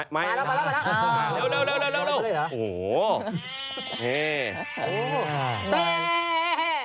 ไหนอ่ะ